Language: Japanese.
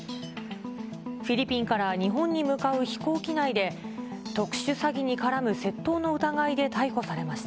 フィリピンから日本に向かう飛行機内で、特殊詐欺に絡む窃盗の疑いで逮捕されました。